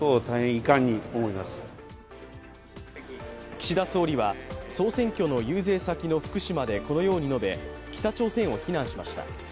岸田総理は、総選挙の遊説先の福島でこのように述べ北朝鮮を非難しました。